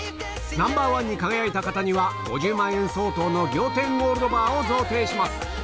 ナンバーワンに輝いた方には５０万円相当の仰天ゴールドバーを贈呈します